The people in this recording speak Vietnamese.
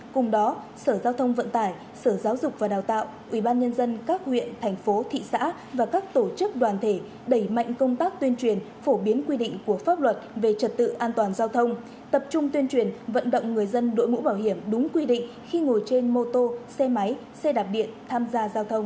cùng đó sở giao thông vận tải sở giáo dục và đào tạo ubnd các huyện thành phố thị xã và các tổ chức đoàn thể đẩy mạnh công tác tuyên truyền phổ biến quy định của pháp luật về trật tự an toàn giao thông tập trung tuyên truyền vận động người dân đội mũ bảo hiểm đúng quy định khi ngồi trên mô tô xe máy xe đạp điện tham gia giao thông